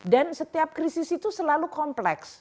dan setiap krisis itu selalu kompleks